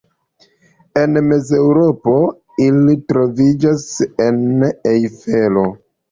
En Mezeŭropo ili troviĝas en la Ejfelo.